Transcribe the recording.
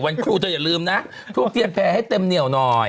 ครูเธออย่าลืมนะทูบเทียนแพร่ให้เต็มเหนียวหน่อย